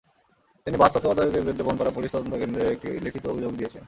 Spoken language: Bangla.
তিনি বাস তত্ত্বাবধায়কের বিরুদ্ধে বনপাড়া পুলিশ তদন্তকেন্দ্রে একটি লিখিত অভিযোগ দিয়েছেন।